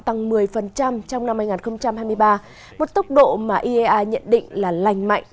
tăng một mươi trong năm hai nghìn hai mươi ba một tốc độ mà iea nhận định là lành mạnh